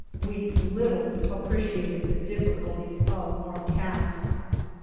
We little appreciated the difficulties of our task.